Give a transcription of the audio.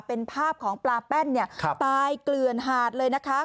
เป็นภาพของปลาแป้นเนี่ยตายเกลือนหาดเลยนะคะ